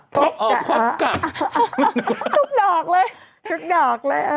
ตุกดอกเลย